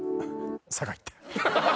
酒井って。